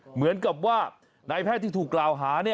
เหมือนกับว่านายแพทย์ที่ถูกกล่าวหา